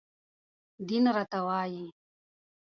دين راته وايي